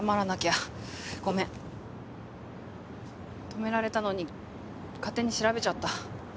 止められたのに勝手に調べちゃった。